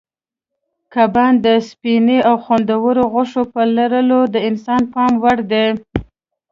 کبان د سپینې او خوندورې غوښې په لرلو د انسان پام وړ دي.